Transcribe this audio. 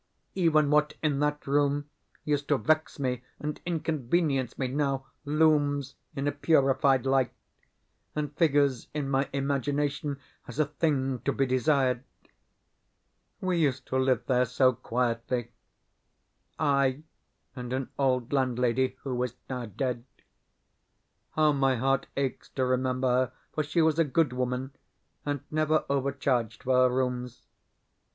Even what in that room used to vex me and inconvenience me now looms in a purified light, and figures in my imagination as a thing to be desired. We used to live there so quietly I and an old landlady who is now dead. How my heart aches to remember her, for she was a good woman, and never overcharged for her rooms.